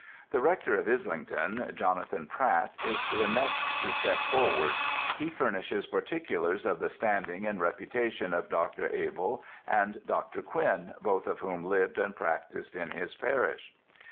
The Rector of Islington, Jonathan Pratt, is the next to step forward. He furnishes particulars of the standing and reputation of Dr. Abell and Dr. Quinn, both of whom lived and practised in his parish.